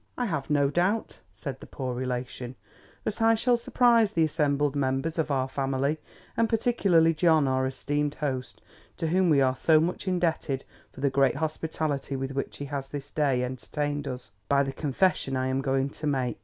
I have no doubt (said the poor relation) that I shall surprise the assembled members of our family, and particularly John our esteemed host to whom we are so much indebted for the great hospitality with which he has this day entertained us, by the confession I am going to make.